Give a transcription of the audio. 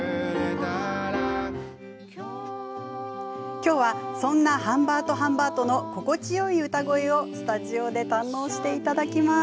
きょうはそんなハンバートハンバートの心地よい歌声をスタジオで堪能していただきます。